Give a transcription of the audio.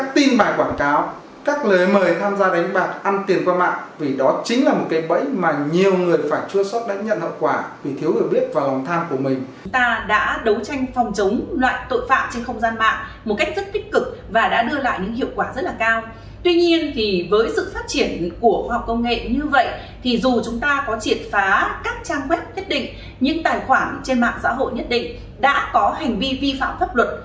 dù chúng ta có triệt phá các trang web thiết định nhưng tài khoản trên mạng xã hội nhất định đã có hành vi vi phạm pháp luật